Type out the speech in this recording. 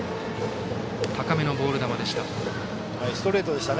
高めのボール球でした。